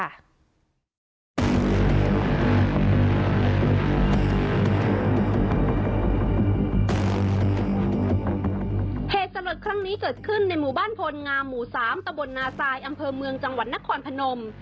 เหตุสลดครั้งนี้เกิดขึ้นในหมู่บ้านพลงามหมู่๓ตะบลนาซายอำเภอเมืองจังหวัดนครพนม